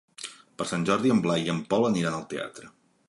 Per Sant Jordi en Blai i en Pol aniran al teatre.